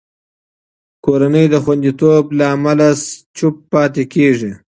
کورنۍ د خوندیتوب له امله چوپ پاتې کېږي.